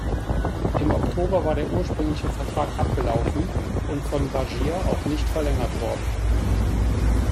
Im Oktober war der ursprüngliche Vertrag abgelaufen und von Baschir auch nicht verlängert worden.